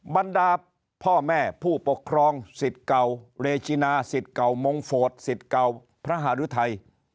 บรรดาพ่อแม่ผู้ปกครองสิทธิ์เก่าเรชินาสิทธิ์เก่ามงโสดสิทธิ์เก่าพระหารุทัย